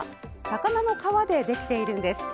魚の皮でできているんです。